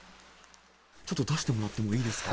ちょっと出してもらってもいいですか。